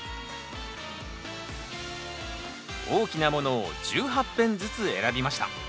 大きなものを１８片ずつ選びました。